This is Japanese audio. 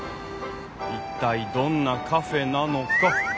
一体どんなカフェなのか。